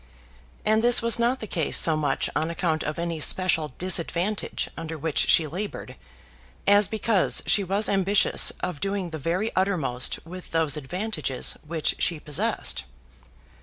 And this was not the case so much on account of any special disadvantage under which she laboured, as because she was ambitious of doing the very uttermost with those advantages which she possessed.